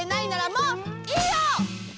もういいよ！